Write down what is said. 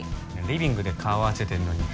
リビングで顔合わせてんのに